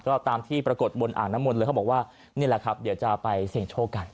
ก็ตามที่ปรากฏบนอ่างน้ำมนต์เลยเขาบอกว่านี่แหละครับเดี๋ยวจะไปเสี่ยงโชคกัน